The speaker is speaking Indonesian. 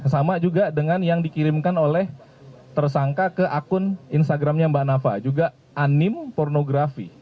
sama juga dengan yang dikirimkan oleh tersangka ke akun instagramnya mbak nafa juga anim pornografi